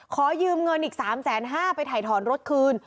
ขอยืมเงินอีกสามแสนห้าไปถ่อนรถคืน